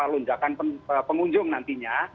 lunjakan pengunjung nantinya